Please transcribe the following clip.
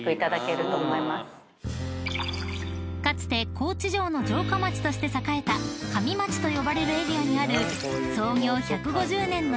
［かつて高知城の城下町として栄えた上町と呼ばれるエリアにある］